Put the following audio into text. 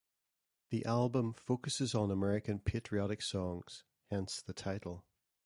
The album focuses on American patriotic songs, hence the title.